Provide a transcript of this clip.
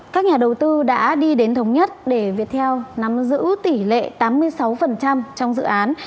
các nhà đầu tư đã đi đến thống nhất để viettel nắm giữ tỷ lệ tám mươi sáu trong dự án